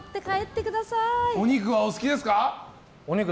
お肉はお好きですか？